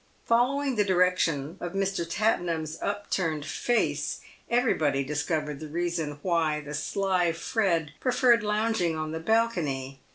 Following the direction of Mr. Tattenham's up turned face, everybody discovered the reason why the sly Fred preferred lounging on the balcony.